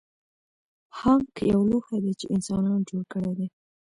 ښانک یو لوښی دی چې انسانانو جوړ کړی دی